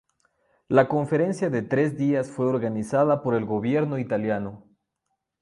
La conferencia de tres días fue organizada por el Gobierno italiano.